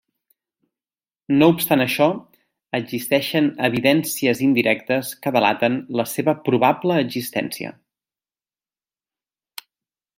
No obstant això, existeixen evidències indirectes que delaten la seva probable existència.